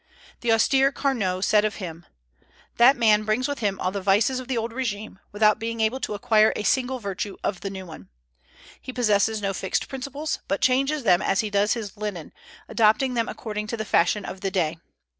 The austere Carnot said of him: "That man brings with him all the vices of the old régime, without being able to acquire a single virtue of the new one. He possesses no fixed principles, but changes them as he does his linen, adopting them according to the fashion of the day.